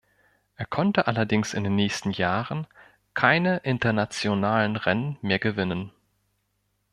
Er konnte allerdings in den nächsten Jahren keine internationalen Rennen mehr gewinnen.